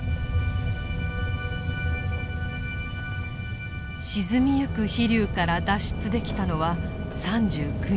沈みゆく飛龍から脱出できたのは３９人。